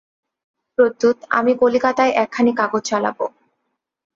প্রত্যুত আমি কলিকাতায় একখানি কাগজ চালাব।